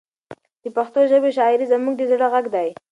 د پښتو ژبې شاعري زموږ د زړه غږ دی.